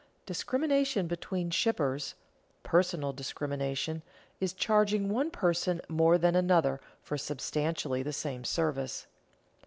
_Discrimination between shippers (personal discrimination) is charging one person more than another for substantially the same service.